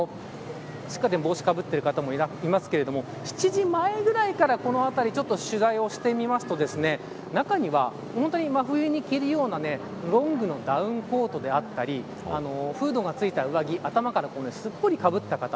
今しっかり帽子をかぶっている方もいますが７時前あたりからこの辺り、取材してみると中には、真冬に着るようなロングのダウンコートだったりフードがついた上着頭からすっぽりかぶった方。